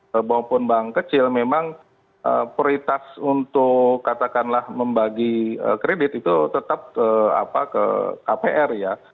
kalau kita lihat baik bank besar maupun bank kecil memang prioritas untuk katakanlah membagi kredit itu tetap ke kpr ya